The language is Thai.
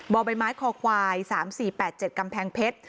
บ่อใบไม้คอควาย๓๔๘๗กำแพงเพชร